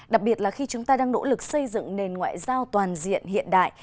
đặc biệt là khi chúng ta đang nỗ lực xây dựng nền ngoại giao toàn diện hiện đại